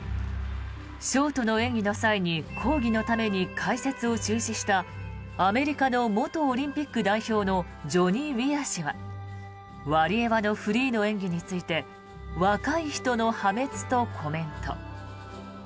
ショートの演技の際に抗議のために解説を中止したアメリカの元オリンピック代表のジョニー・ウィアー氏はワリエワのフリーの演技について若い人の破滅とコメント。